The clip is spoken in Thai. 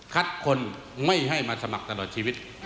คนไม่ให้มาสมัครตลอดชีวิต